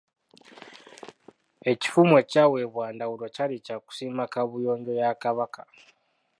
EKifumu ekyaweebwa Ndawula kyali kya kusima kaabuyonjo ya Kabaka.